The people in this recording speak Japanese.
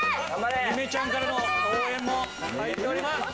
ゆめちゃんからの応援も入っております。